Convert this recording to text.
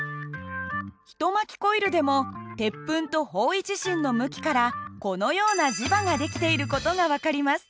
一巻きコイルでも鉄粉と方位磁針の向きからこのような磁場が出来ている事が分かります。